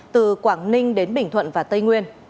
từ quảng ninh đến bình thuận và tây nguyên